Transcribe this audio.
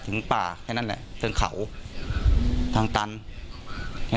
หลังจากพบศพผู้หญิงปริศนาตายตรงนี้ครับ